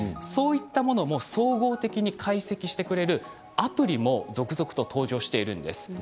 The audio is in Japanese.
そうしたものを総合的に解析してくれるアプリも続々と登場しています。